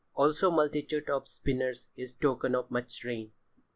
Also multitude of spinners is token of much rain."